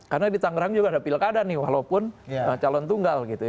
karena di tangerang juga ada pilkada nih walaupun calon tunggal gitu ya